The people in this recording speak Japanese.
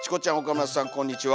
こんにちは。